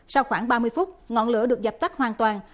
sau khoảng ba mươi phút ngọn lửa được dập tắt hoàn toàn